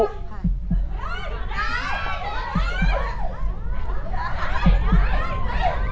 ได้